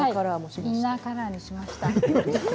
インナーカラーにしました。